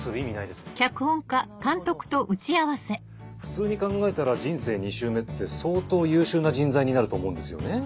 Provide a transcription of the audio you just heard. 普通に考えたら人生２周目って相当優秀な人材になると思うんですよね。